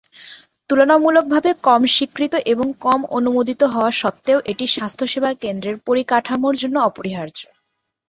তুলনামূলকভাবে কম স্বীকৃত এবং কম অনুমোদিত হওয়া সত্ত্বেও, এটি স্বাস্থ্যসেবা কেন্দ্রের পরিকাঠামোর জন্য অপরিহার্য।